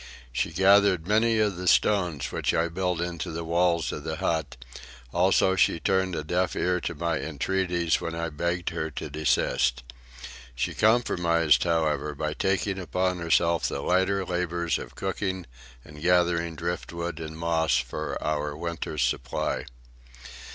She gathered many of the stones which I built into the walls of the hut; also, she turned a deaf ear to my entreaties when I begged her to desist. She compromised, however, by taking upon herself the lighter labours of cooking and gathering driftwood and moss for our winter's supply.